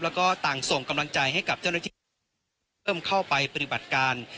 แล้วก็ต่างส่งกำลังใจให้กับเจ้าหน้าที่เอิ้มเข้าไปปฏิบัติการ